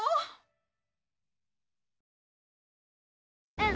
うん。